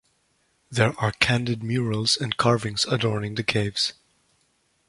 There are candid murals and carvings adorning the caves.